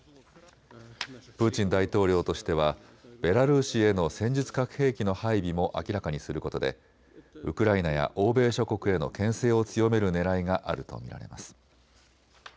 プーチン大統領としてはベラルーシへの戦術核兵器の配備も明らかにすることでウクライナや欧米諸国へのけん制を強めるねらいがあると見られます。